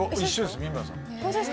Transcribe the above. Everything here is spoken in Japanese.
三村さんも。